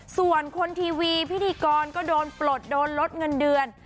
ส่วนคนทีวีพิธีกรก็โดนปลดโดนลดเงินเดือน